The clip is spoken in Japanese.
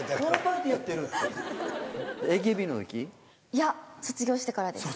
いや卒業してからです。